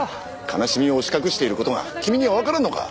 悲しみを押し隠している事が君にはわからんのか！？